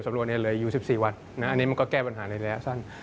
อันนี้มันก็แก้ปัญหาในระยะสั้น